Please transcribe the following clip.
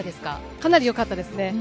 かなりよかったですね。